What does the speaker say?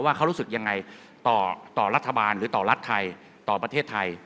ว่าเขารู้สึกยังไงต่อรัฐบาลหรือต่อรัฐไทยต่อประเทศไทย